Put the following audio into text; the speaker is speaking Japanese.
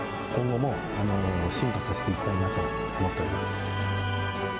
今後も進化させていきたいなと思っております。